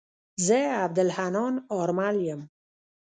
زه عبدالحنان آرمل يم.